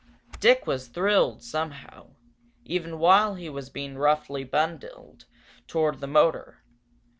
Dick was thrilled, somehow, even while he was being roughly bundled toward the motor.